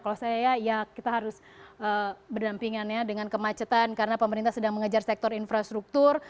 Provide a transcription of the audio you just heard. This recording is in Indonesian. kalau saya ya kita harus berdampingan ya dengan kemacetan karena pemerintah sedang mengejar sektor infrastruktur